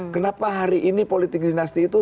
kenapa hari ini politik dinasti itu